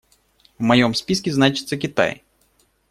В моем списке значится Китай.